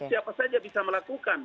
siapa saja bisa melakukan